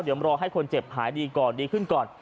เดี๋ยวรอให้คนเจ็บหายดีก่อนดีขึ้นก่อน